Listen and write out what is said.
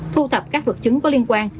thu thập các vật chứng có liên quan